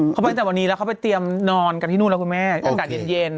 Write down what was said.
เข้าไปตั้งแต่วันนี้แล้วเขาไปเตรียมนอนกับที่นู้นครับอาหารเย็น